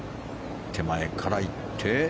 手前から行って。